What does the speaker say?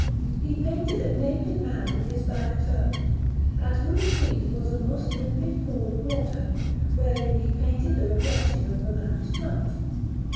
He painted a naked man with his back turned, at whose feet was a most limpid pool of water, wherein he painted the reflection of the man's front.